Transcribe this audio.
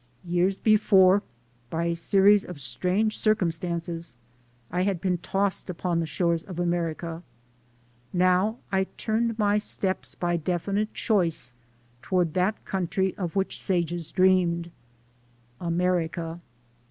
Years before, by a series of strange circumstances, I had been tossed upon the shores of America. Now I MY FINAL CHOICE 327 turned my steps by definite choice toward that country of which sages dreamed: AMERICA.